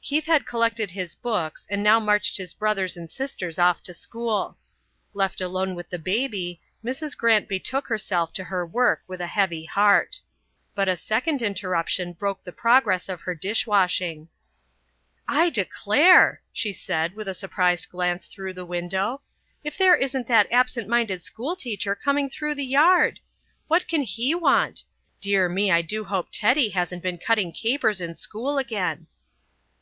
Keith had collected his books and now marched his brothers and sisters off to school. Left alone with the baby, Mrs. Grant betook herself to her work with a heavy heart. But a second interruption broke the progress of her dish washing. "I declare," she said, with a surprised glance through the window, "if there isn't that absent minded schoolteacher coming through the yard! What can he want? Dear me, I do hope Teddy hasn't been cutting capers in school again."